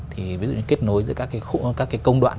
thì kết nối giữa các công đoạn